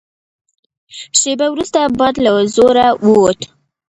شېبه وروسته باد له زوره ووت.